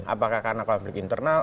apakah karena konflik internal